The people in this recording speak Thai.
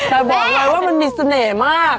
แต่บอกเลยว่ามันมีเสน่ห์มาก